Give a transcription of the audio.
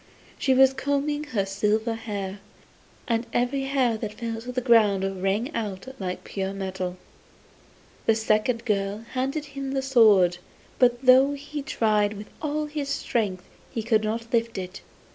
She was combing her silver hair, and every hair that fell on the ground rang out like pure metal. The second girl handed him the sword, but though he tried with all his strength he could not lift it.